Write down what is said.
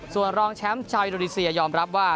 ส่วนรองแชมป์ชาวอินโดนีเซียยอมรับว่า